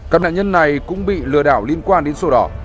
các nạn nhân này cũng bị lừa đảo liên quan đến sổ đỏ